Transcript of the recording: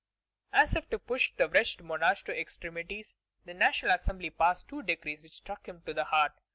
As if to push the wretched monarch to extremities, the National Assembly passed two decrees which struck him to the heart.